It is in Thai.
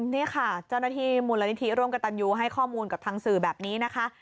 นี่ค่ะเจ้าหน้าที่มูลนิธิร่วมกับตันยูให้ข้อมูลกับทางสื่อแบบนี้นะคะ